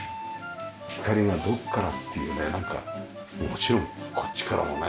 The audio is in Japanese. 光がどこからっていうねなんかもちろんこっちからもね。